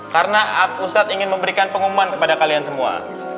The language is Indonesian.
karena ustadz ingin memberikan pengumuman kepada kalian semua